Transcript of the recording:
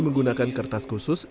menggunakan kertas khusus